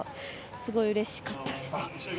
すごいうれしかったです。